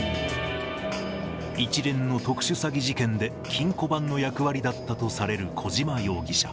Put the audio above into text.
一連の特殊詐欺事件で金庫番の役割だったとされる小島容疑者。